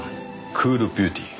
クールビューティー。